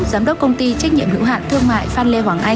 giám đốc công ty trách nhiệm hữu hạn thương mại phan lê hoàng anh